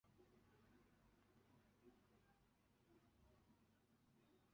西汉帝王郊祀之礼沿袭秦代。